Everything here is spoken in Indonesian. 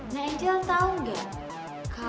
nah angel tau gak